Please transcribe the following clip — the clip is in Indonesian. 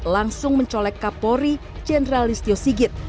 langsung mencolek kapolri jendralist tio sigit